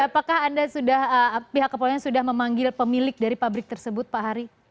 apakah anda sudah pihak kepolisian sudah memanggil pemilik dari pabrik tersebut pak hari